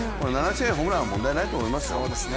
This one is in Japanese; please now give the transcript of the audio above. ホームラン問題ないと思いますよ。